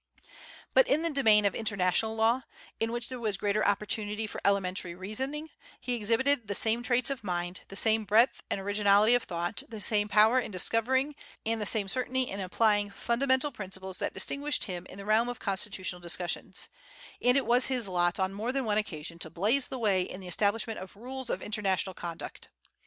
But in the domain of international law, in which there was greater opportunity for elementary reasoning, he exhibited the same traits of mind, the same breadth and originality of thought, the same power in discovering, and the same certainty in applying, fundamental principles that distinguished him in the realm of constitutional discussions; and it was his lot on more than one occasion to blaze the way in the establishment of rules of international conduct.